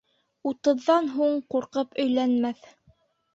Утыҙҙан һуң ҡурҡып өйләнмәҫ.